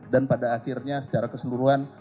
dan pada akhirnya secara keseluruhan